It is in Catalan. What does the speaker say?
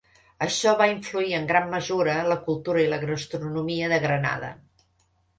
Això va influir en gran mesura la cultura i la gastronomia de Grenada.